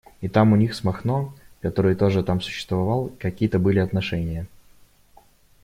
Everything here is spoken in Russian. И там у них с Махно, который тоже там существовал, какие-то были отношения.